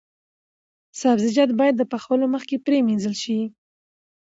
سبزیجات باید د پخولو مخکې پریمنځل شي.